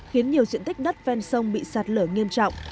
khiến nhiều diện tích đất ven sông bị sạt lở nghiêm trọng